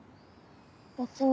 別に。